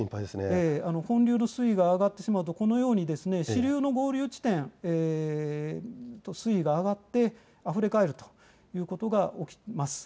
本流の水位が上がってしまうと支流の合流地点と水位が上がってあふれかえることが起きています。